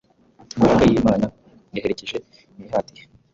Imbaraga y’Imana yaherekeje imihati ye